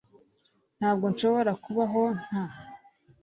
ntabwo nshobora kubaho nta a